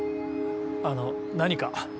あの何か？